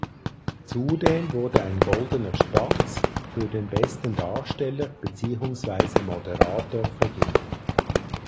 Zudem wurde ein Goldener Spatz für den besten Darsteller beziehungsweise Moderator vergeben.